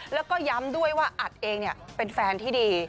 แล้วก็ย้ำด้วยว่าอัดเองเป็นแฟนที่ดี